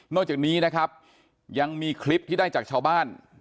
จากนี้นะครับยังมีคลิปที่ได้จากชาวบ้าน